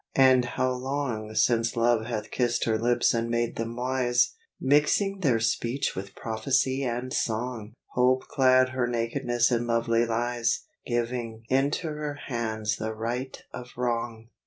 And how long Since Love hath kissed her lips and made them wise, Mixing their speech with prophecy and song! Hope clad her nakedness in lovely lies, Giving into her hands the right of wrong!